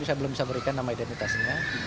tapi saya belum bisa memberikan nama identitasnya